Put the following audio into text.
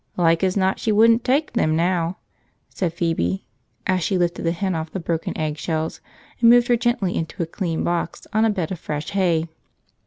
"Like as not she wouldn't tyke them now," said Phoebe, as she lifted the hen off the broken egg shells and moved her gently into a clean box, on a bed of fresh hay.